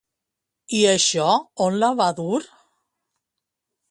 I això on la va dur?